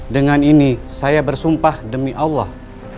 dengan ini saya bersumpah demi allah